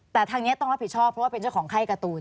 แต่ทางนี้ต้องรับผิดชอบเพราะว่าเป็นเจ้าของไข้การ์ตูน